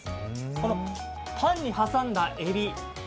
このパンに挟んだエビ